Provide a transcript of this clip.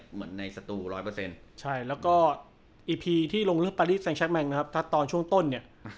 เหมือนในสตูร้อยเปอร์เซ็นต์ใช่แล้วก็ที่ลงเลือกนะครับถ้าตอนช่วงต้นเนี่ย